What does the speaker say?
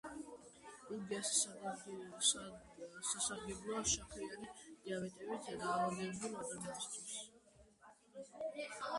იგი ასევე სასარგებლოა შაქრიანი დიაბეტით დაავადებულ ადამიანთათვის.